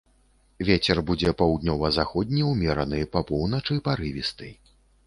Вецер будзе паўднёва-заходні ўмераны, па поўначы парывісты.